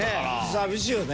寂しいよね？